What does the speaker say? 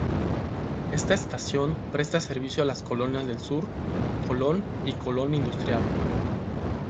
Esta estación presta servicio a las colonias Del Sur, Colón y Colón Industrial.